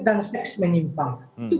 dan seks menyimpang